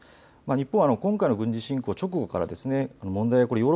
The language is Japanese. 日本は今回の軍事侵攻直後から問題が。